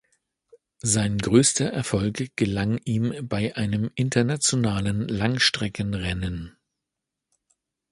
Sein größter Erfolg gelang ihm bei einem internationalen Langstreckenrennen.